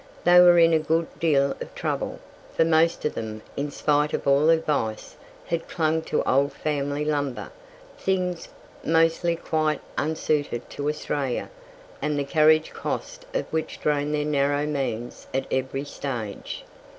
They were in a good deal of trouble, for most of them, in spite of all advice, had clung to old family lumber, things mostly quite unsuited to Australia, and the carriage cost of which drained their narrow means at every stage.